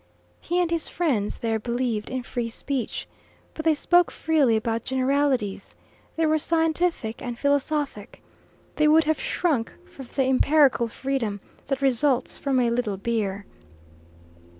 He and his friends there believed in free speech. But they spoke freely about generalities. They were scientific and philosophic. They would have shrunk from the empirical freedom that results from a little beer.